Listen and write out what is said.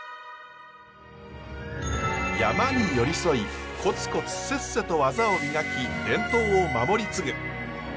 山に寄り添いコツコツセッセと技を磨き伝統を守り継ぐ。